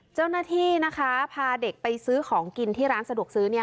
เจ้าหน้าที่นะคะพาเด็กไปซื้อของกินที่ร้านสะดวกซื้อ